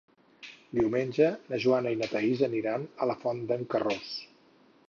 Diumenge na Joana i na Thaís aniran a la Font d'en Carròs.